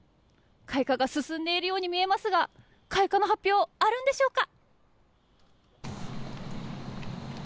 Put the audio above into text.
開花が進んでいるように見えますが開花の発表あるんでしょうか？